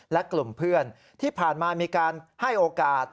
และกลุ่มเพื่อนที่ผ่านมามีการให้โอกาส